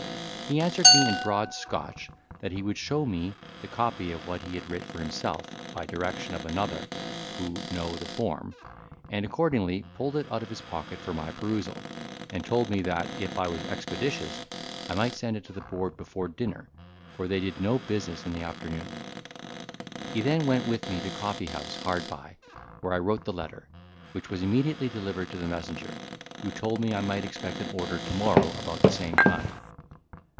He answered me in broad Scotch, that he would show me the copy of what he had writ for himself, by direction of another who know the form, and accordingly pulled it out of his pocket for my perusal; and told me that, if I was expeditious, I might send it into the Board before dinner, for they did no business in the afternoon. He then went with me to coffee house hard by, where I wrote the letter, which was immediately delivered to the messenger, who told me I might expect an order to morrow about the same time.